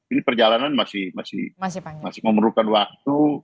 ini perjalanan masih memerlukan waktu